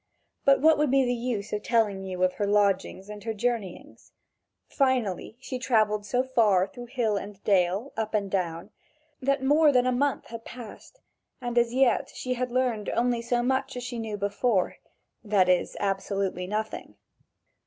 But what would be the use of my telling you of her lodgings and her journeyings? Finally, she travelled so far through hill and dale, up and down, that more than a month had passed, and as yet she had learned only so much as she knew before that is, absolutely nothing.